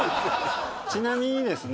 ちなみにですね